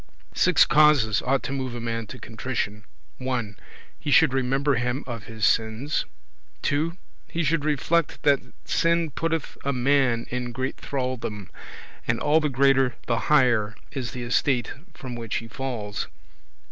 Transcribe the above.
Six causes ought to move a man to contrition: 1. He should remember him of his sins; 2. He should reflect that sin putteth a man in great thraldom, and all the greater the higher is the estate from which he falls; 3.